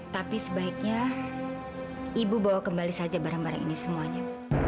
tapi sebaiknya ibu bawa kembali saja barang barang ini semuanya